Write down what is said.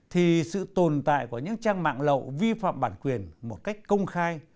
thì sự tồn tại của những trang mạng lậu vi phạm bản quyền một cách công khai